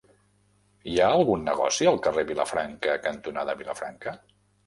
Hi ha algun negoci al carrer Vilafranca cantonada Vilafranca?